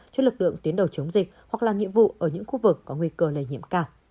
cho lực lượng tuyến đầu chống dịch hoặc làm nhiệm vụ ở những khu vực có nguy cơ lây nhiễm cao